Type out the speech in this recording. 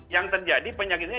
yang terjadi penyakitnya